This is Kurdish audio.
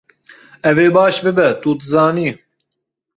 Ev ê baş bibe, tu dizanî.